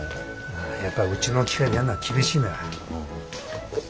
やっぱりうちの機械でやんのは厳しいねわ。